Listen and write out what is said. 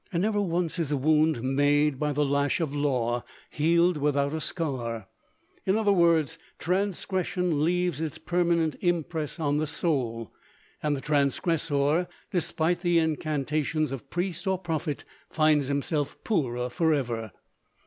And never once is a wound made by the lash of law healed without a scar; in other words, transgression leaves its permanent impress on the soul, and the transgressor, despite the incantations of priest or prophet, finds himself poorer forever.